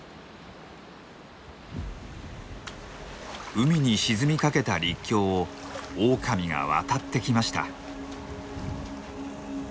海に沈みかけた陸橋をオオカミが渡ってきました。